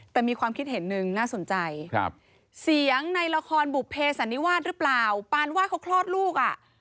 แต่มีความคิดเห็นหนึ่งน่าสนใจครับเสียงในละครบุภเพสันนิวาสหรือเปล่าปานวาดเขาคลอดลูกอ่ะ